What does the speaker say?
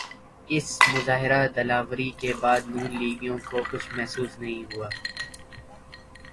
اس مظاہرہ دلاوری کے بعد نون لیگیوں کو کچھ محسوس نہیں ہوا؟